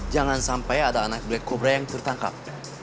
jangan sampai ada anak black cobra yang tertangkap